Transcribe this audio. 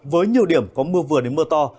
với nhiều điểm có mưa vừa đến mưa to